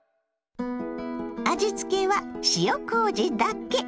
味付けは塩こうじだけ！